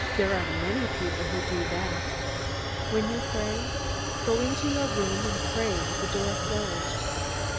There are many people who do that. When you pray, go into your own room and pray with the door closed.